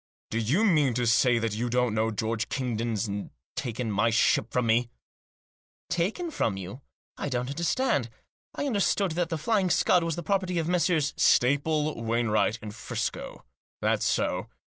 " Do you mean to say that you don't know George Kingdon's taken my ship from me ?" "Taken her from you? I don't understand. I understood that The Flying Scud was the property of Messrs. " "Staple, Wainwright and Friscoe; thafs so.